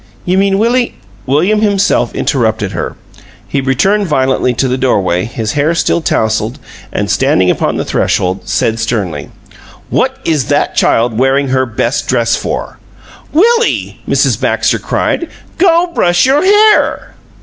"You mean Willie " William himself interrupted her. He returned violently to the doorway, his hair still tousled, and, standing upon the threshold, said, sternly: "What is that child wearing her best dress for?" "Willie!" Mrs. Baxter cried. "Go brush your hair!"